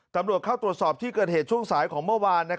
ตำรวจเข้าตรวจสอบที่เกิดเหตุช่วงสายของเมื่อวาน